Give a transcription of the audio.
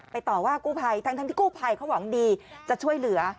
ไปต่อว่ากู่ไพทั้งที่กู่ไพเขาหวังดีจะช่วยเหลือ